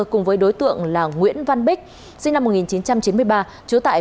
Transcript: cùng với đối tượng là nguyễn văn bích sinh năm một nghìn chín trăm chín mươi ba